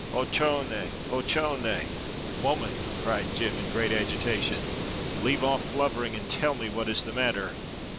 Ochone! ochone!" "Woman," cried Jem, in great agitation, "leave off blubbering and tell me what is the matter."